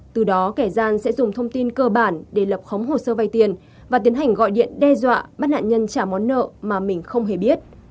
từ đó kẻ gian sẽ dùng thông tin cơ bản để lập khống hồ sơ vay tiền và tiến hành gọi điện đe dọa bắt nạn nhân trả món nợ mà mình không hề biết